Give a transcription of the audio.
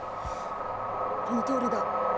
このとおりだ。